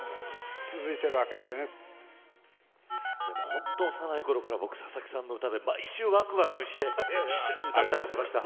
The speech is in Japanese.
ほんと幼い頃から僕ささきさんの歌で毎週わくわくして一緒に歌ったりしてました。